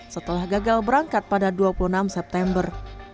setelah gagal berangkat pada dua puluh enam september